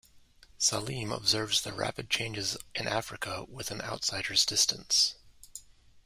Salim observes the rapid changes in Africa with an outsider's distance.